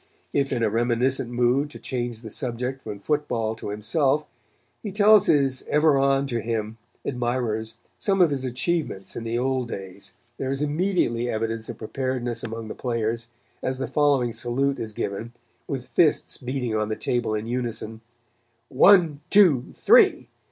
If in a reminiscent mood to change the subject from football to himself, he tells his "ever on to him" admirers some of his achievements in the old days there is immediately evidence of preparedness among the players, as the following salute is given with fists beating on the table in unison [Illustration: THE OLD FAITHFULS] "One, two, three!